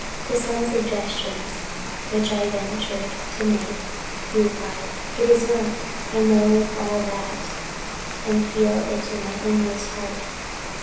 To some suggestions which I ventured to make, he replied, "It is not that I know all that, and feel it in my inmost heart.